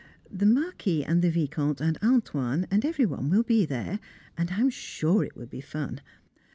The Marquis and the Vicomte and "Antoine" and every one will be there, and I am sure it will be fun.